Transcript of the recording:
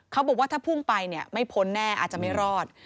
เขาบอกว่าถ้าพุ่งไปเนี่ยไม่พ้นแน่อาจจะไม่รอด